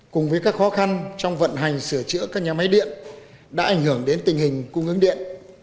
cùng với các khó khăn trong vận hành sửa chữa các nhà máy điện đã ảnh hưởng đến tình hình cung ứng điện